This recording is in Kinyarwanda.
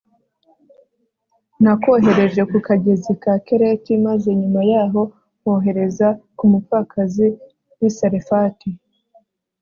Nakohereje ku kagezi ka Kereti maze nyuma yaho nkohereza ku mupfakazi wi Sarefati